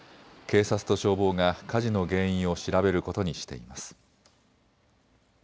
警察と消防が火事の原因を調べることにしています。